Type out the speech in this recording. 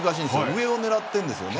上を狙っているんです。